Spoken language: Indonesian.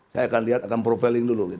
saya akan lihat akan profiling dulu